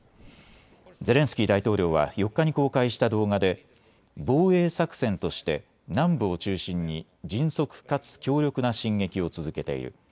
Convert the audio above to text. ゼレンスキー大統領は４日に公開した動画で防衛作戦として南部を中心に迅速かつ強力な進撃を続けている。